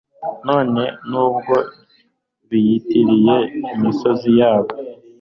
kabone n'ubwo biyitiriye imisozi yabo